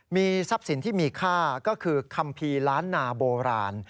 มีทรัพย์สินที่มีค่าก็คือคัมภีร์ล้านนาโบราณ